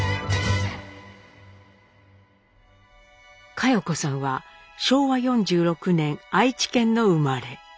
佳代子さんは昭和４６年愛知県の生まれ。